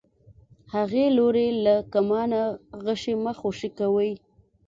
هغې لورې له کمانه غشی مه خوشی کوئ.